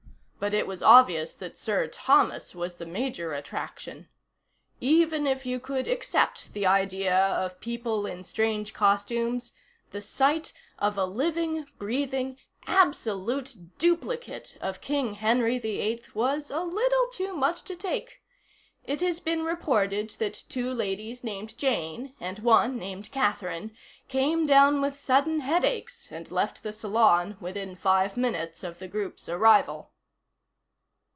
But it was obvious that Sir Thomas was the major attraction. Even if you could accept the idea of people in strange costumes, the sight of a living, breathing absolute duplicate of King Henry VIII was a little too much to take. It has been reported that two ladies named Jane, and one named Catherine, came down with sudden headaches and left the salon within five minutes of the group's arrival.